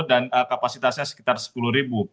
dan kapasitasnya sekitar sepuluh ribu